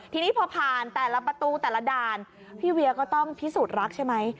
ทีนี้พอผ่านแต่ละประตูแต่ละด่านพี่เวียก็ต้องพิสูจน์รักใช่ไหม